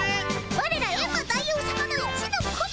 ワレらエンマ大王さまの一の子分！